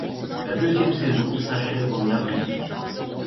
La deuxième saison s’achève en avril.